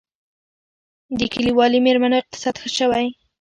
د کلیوالي میرمنو اقتصاد ښه شوی؟